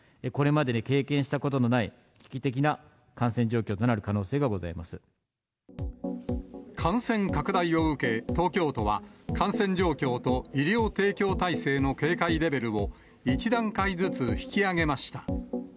これまでに経験したことのない、危機的な感染状況となる可能性が感染拡大を受け、東京都は、感染状況と医療提供体制の警戒レベルを、１段階ずつ引き上げました。